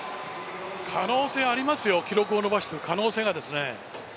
可能性ありますよ、記録を伸ばしていく可能性が。